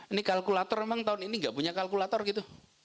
ini kalkulator memang tahun ini gak punya kalkulator gitu